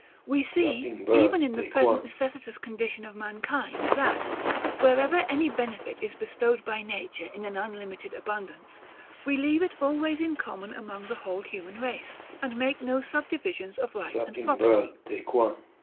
We see, even in the present necessitous condition of mankind, that, wherever any benefit is bestowed by nature in an unlimited abundance, we leave it always in common among the whole human race, and make no subdivisions of right and property.